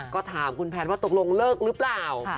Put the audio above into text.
ก็ถามคุณแพทย์ว่าตกลงเลิกหรือเปล่า